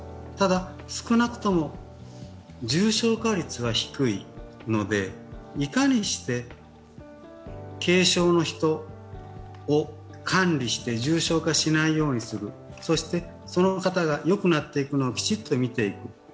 ただ、少なくとも重症化率は低いので、いかにして軽症の人を管理して重症化しないようにする、そして、その方がよくなっていくのをきちっとみていく。